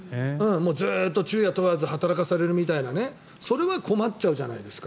ずっと昼夜問わず働かされるみたいなそれは困っちゃうじゃないですか。